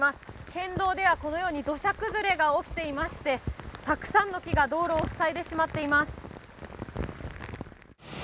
県道ではこのように土砂崩れが起きていましてたくさんの木が道路を塞いでしまっています。